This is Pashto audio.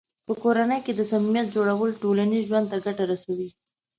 په کورنۍ کې د صمیمیت جوړول ټولنیز ژوند ته ګټه رسوي.